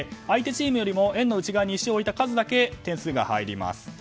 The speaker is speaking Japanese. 相手チームよりも円の内側に石を置いた数だけ点数が入ります。